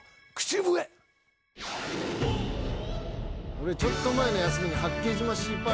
俺ちょっと前の休みに。